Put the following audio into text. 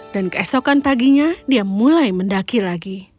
dan keesokan paginya dia mulai mendaki lagi